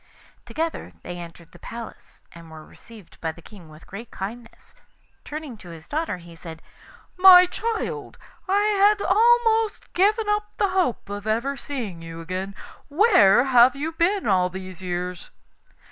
Together they entered the palace, and were received by the King with great kindness. Turning to his daughter, he said: 'My child, I had almost given up the hope of ever seeing you again. Where have you been all these years?